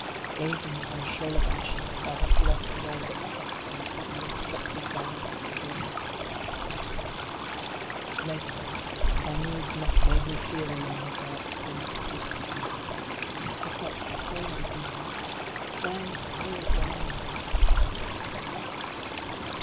Gazing upon a shoal of ashes, thou hast lost the way that struck upon the heavy, obstructive valves of the grave to thy Heaven. Mateless thou needs must vaguely feel along the dark, cold steeps of Night Hath not suffering made thee wise ? When, oh when